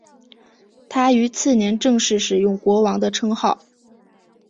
他于次年正式使用国王的称号。